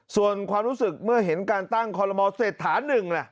ส่วนความรู้สึกเมื่อเห็นการตั้งคอลโมเศรษฐานึง